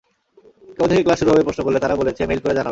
কবে থেকে ক্লাস শুরু হবে প্রশ্ন করলে তারা বলেছে মেইল করে জানাবে।